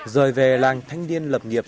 rời về làng thanh niên lập nghiệp